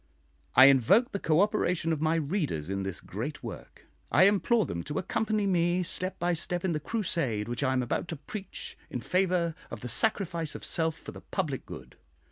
I invoke the cooperation of my readers in this great work: I implore them to accompany me step by step in the crusade which I am about to preach in favour of the sacrifice of self for the public good.